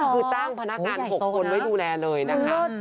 คือจ้างพนักงาน๖คนไว้ดูแลเลยนะคะ